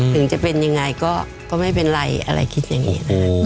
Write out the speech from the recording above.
ถึงจะเป็นยังไงก็ไม่เป็นไรอะไรคิดอย่างนี้นะครับ